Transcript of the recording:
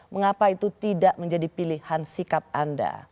mengapa itu tidak menjadi pilihan sikap anda